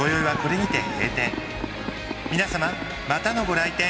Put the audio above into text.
皆様またのご来店